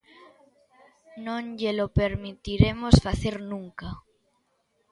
Non llelo permitiremos facer nunca.